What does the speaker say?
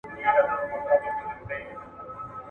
تر بېديدو مخکي به د خپلو ميرمنو سره لږ وخت کښيناستی